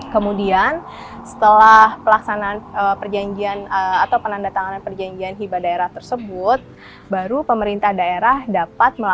kepala penindahan yang sub indo